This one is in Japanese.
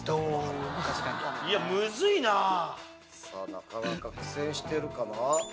なかなか苦戦してるかな。